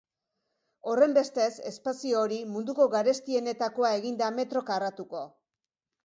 Horrenbestez, espazio hori munduko garestienetakoa egin da metro karratuko.